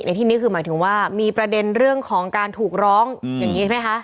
ที่นี่คือหมายถึงว่ามีประเด็นเรื่องของการถูกร้องอย่างนี้ใช่ไหมคะ